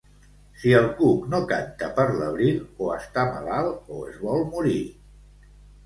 Si el cuc no canta per l'abril o està malalt o es vol morir.